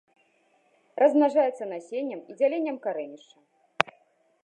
Размнажаецца насеннем і дзяленнем карэнішча.